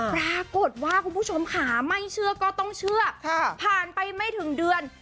คุณผู้ชมค่ะไม่เชื่อก็ต้องเชื่อผ่านไปไม่ถึงเดือน